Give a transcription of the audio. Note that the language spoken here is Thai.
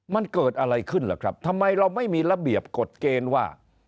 มันเกิดอะไรขึ้นล่ะครับทำไมเราไม่มีระเบียบกฎเกณฑ์ว่า